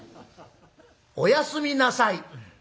「おやすみなさい」。